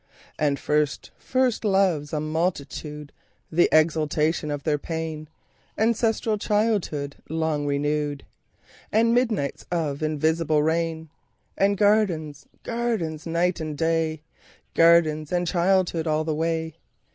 And first first loves, a multitude, The exaltation of their pain; Ancestral childhood long renewed; And midnights of invisible rain; And gardens, gardens, night and day, Gardens and childhood all the way.